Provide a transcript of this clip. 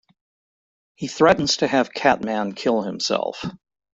He threatens to have Catman kill himself.